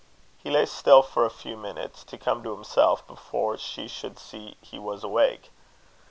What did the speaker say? He lay still for a few minutes, to come to himself before she should see he was awake.